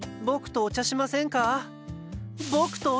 僕とお茶しませんか？